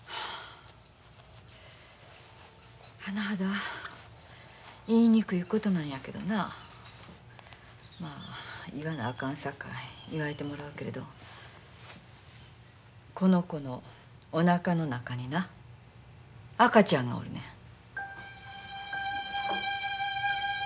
甚だ言いにくいことなんやけどなまあ言わなあかんさかい言わいてもらうけれどこの子のおなかの中にな赤ちゃんがおるねん。